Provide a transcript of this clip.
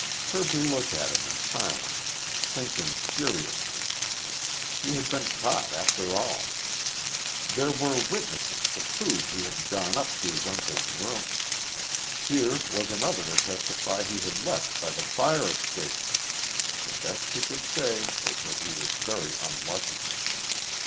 Kirby looked at him in silence, thinking furiously. He had been caught, after all. There were witnesses to prove he had gone up to his uncle's rooms. Here was another to testify he had left by the fire escape. The best he could say was that he was very unlucky.